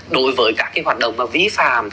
đối với các cái hoạt động mà vĩ phạm